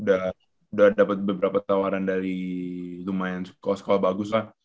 udah dapet beberapa tawaran dari lumayan sekolah sekolah bagus lah